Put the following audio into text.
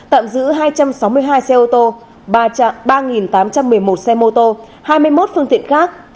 tạm giữ hai trăm sáu mươi hai xe ô tô ba tám trăm một mươi một xe mô tô hai mươi một phương tiện khác